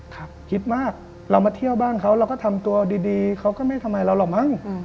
คิดมากเรามาเที่ยวบ้านเขาเราก็ทำตัวดีเขาก็ไม่ทำไมเราหรอกมั้ง